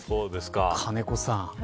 金子さん